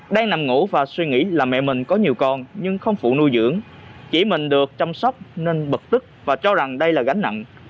đang nằm ngủ và suy nghĩ là mẹ mình có nhiều con nhưng không phụ nuôi dưỡng chỉ mình được chăm sóc nên bực tức và cho rằng đây là gánh nặng